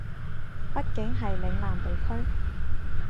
畢竟係嶺南地區